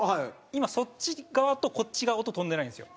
今そっち側とこっち側音飛んでないんですよ。